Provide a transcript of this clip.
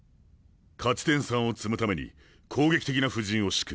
勝ち点３を積むために攻撃的な布陣をしく。